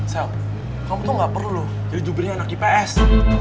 sel kamu tuh nggak perlu jadi jubilnya anak ips